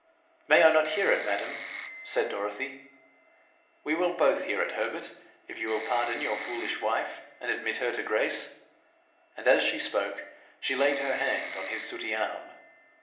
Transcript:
'May I not hear it, madam?' said Dorothy. 'We will both hear it, Herbert, if you will pardon your foolish wife and admit her to grace.' And as she spoke she laid her hand on his sooty arm.